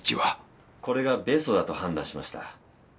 これがベストだと判断しました。